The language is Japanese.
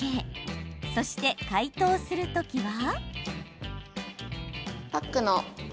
そして、解凍するときは。